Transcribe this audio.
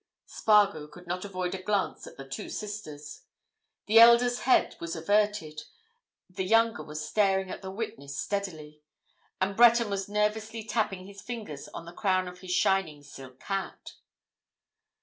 Spargo could not avoid a glance at the two sisters. The elder's head was averted; the younger was staring at the witness steadily. And Breton was nervously tapping his fingers on the crown of his shining silk hat.